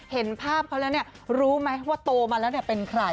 เห็นภาพเขาแล้วเนี่ยรู้ไหมว่าโตมาแล้วเป็นใคร